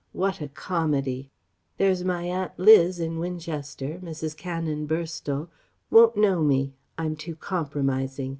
What a comedy!... "There's my Aunt Liz at Winchester Mrs. Canon Burstall won't know me I'm too compromising.